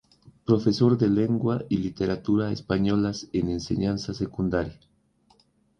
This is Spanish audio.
Profesor de Lengua y Literatura españolas en enseñanza secundaria.